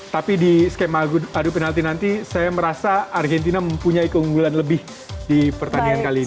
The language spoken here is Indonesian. tapi di skema adu penalti nanti saya merasa argentina mempunyai keunggulan lebih di pertandingan kali ini